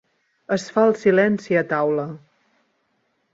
Es fa el silenci a taula.